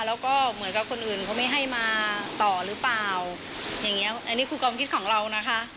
แล้วก็เหมือนกับคนอื่นเขาไม่ให้มาต่อหรือเปล่าอย่างเงี้ยอันนี้คือความคิดของเรานะคะ